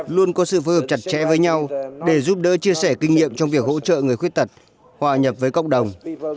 luôn có sự phối hợp chặt chẽ với nhau để giúp đỡ chia sẻ kinh nghiệm trong việc hỗ trợ người khuyết tật hòa nhập với cộng đồng